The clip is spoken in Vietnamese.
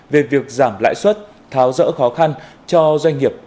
về việc giảm lãi suất tháo rỡ khó khăn cho doanh nghiệp